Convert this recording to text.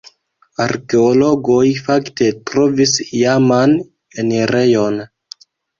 Arkeologoj fakte trovis iaman enirejon.